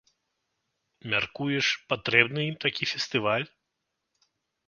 Мяркуеш, патрэбны ім такі фестываль?